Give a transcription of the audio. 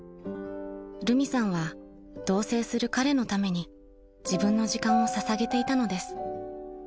［るみさんは同棲する彼のために自分の時間を捧げていたのです］